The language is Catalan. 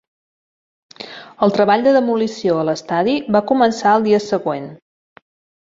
El treball de demolició a l'estadi va començar al dia següent.